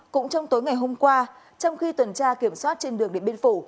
cũng trong tối ngày hôm qua trong khi tuần tra kiểm soát trên đường điện biên phủ